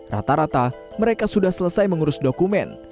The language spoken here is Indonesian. rata rata mereka sudah selesai mengurus dokumen